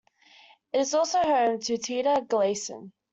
It is also home to the Teater Galeasen.